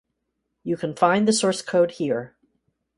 You can find the source code here.